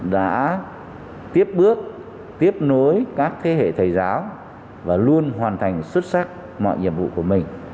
đã tiếp bước tiếp nối các thế hệ thầy giáo và luôn hoàn thành xuất sắc mọi nhiệm vụ của mình